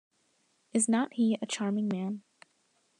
Is not he a charming man?